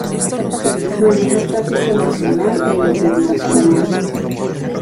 Maneja tráfico nacional e internacional.